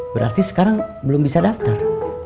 berarti sekarang belum bisa daftar